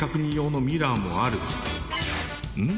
うん？